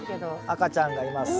赤ちゃんがいます。